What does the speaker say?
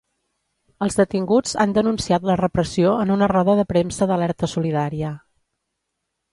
Els detinguts han denunciat la repressió en una roda de premsa d'Alerta Solidària